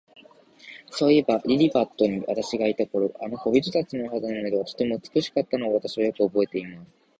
そういえば、リリパットに私がいた頃、あの小人たちの肌の色は、とても美しかったのを、私はよくおぼえています。